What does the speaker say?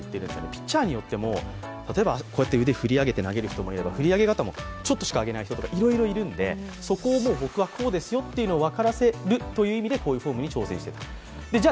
ピッチャーによっても、例えば腕を振り上げる人も、振り上げ方もちょっとしか上げない人とかいろいろいるので、そこを僕はこうですよと分からせるためにこういうフォームの練習をしていた。